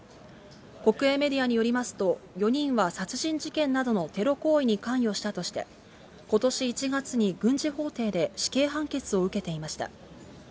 国営メディアによりますと、４人は殺人事件などのテロ行為に関与したとして、ことし１月に軍事法廷で死刑判決を受けていました。